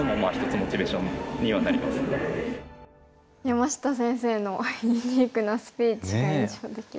山下先生のユニークなスピーチが印象的でした。